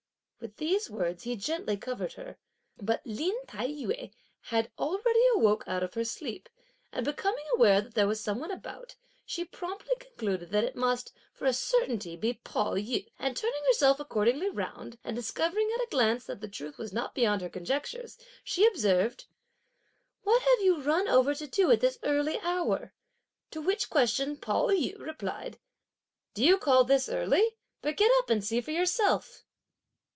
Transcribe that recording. With these words, he gently covered her, but Lin Tai yü had already awoke out of her sleep, and becoming aware that there was some one about, she promptly concluded that it must, for a certainty, be Pao yü, and turning herself accordingly round, and discovering at a glance that the truth was not beyond her conjectures, she observed: "What have you run over to do at this early hour?" to which question Pao yü replied: "Do you call this early? but get up and see for yourself!"